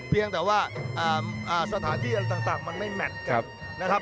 เพียงแต่ว่าอ่าอ่าสถานที่อะไรต่างต่างมันไม่ครับนะครับ